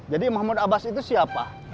jadi mahmud abbas itu siapa